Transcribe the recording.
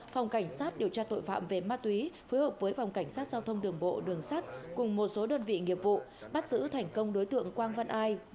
phòng cảnh sát điều tra tội phạm về ma túy phối hợp với phòng cảnh sát giao thông đường bộ đường sắt cùng một số đơn vị nghiệp vụ bắt giữ thành công đối tượng quang văn ai